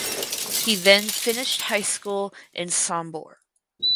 He then finished high school in Sombor.